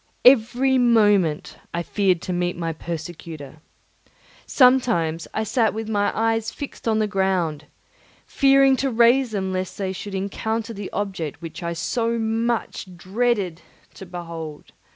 Every moment I feared to meet my persecutor. Sometimes I sat with my eyes fixed on the ground, fearing to raise them lest they should encounter the object which I so much dreaded to behold.